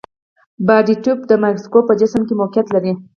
بادي ټیوب د مایکروسکوپ په جسم کې موقعیت لري.